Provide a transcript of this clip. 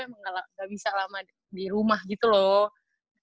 emang gak bisa lama di rumah gitu loh